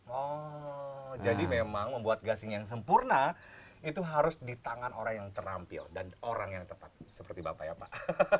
oh jadi memang membuat gasing yang sempurna itu harus di tangan orang yang terampil dan orang yang tepat seperti bapak ya pak